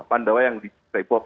pandawa yang di report